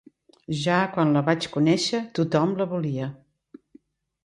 Ja quan la vaig conèixer tothom la volia.